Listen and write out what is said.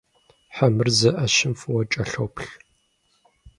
Хьэмырзэ ӏэщым фӏыуэ кӏэлъоплъ.